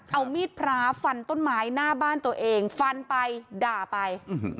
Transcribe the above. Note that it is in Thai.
เอามีดพระฟันต้นไม้หน้าบ้านตัวเองฟันไปด่าไป